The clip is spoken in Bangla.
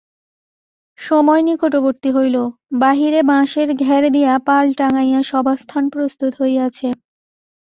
সময় নিকটবর্তী হইল, বাহিরে বাঁশের ঘের দিয়া পাল টাঙাইয়া সভাস্থান প্রস্তুত হইয়াছে।